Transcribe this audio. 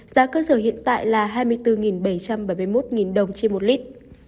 giá cơ sở hiện tại là hai mươi bốn bảy trăm bảy mươi một đồng trên một lít